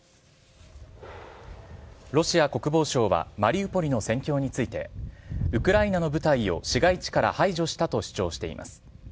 ロシア国防省は、マリウポリの戦況について、ウクライナの部隊を市街地から排除したと主張しています。